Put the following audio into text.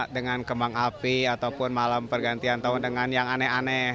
dengan kembang api ataupun malam pergantian tahun dengan yang aneh aneh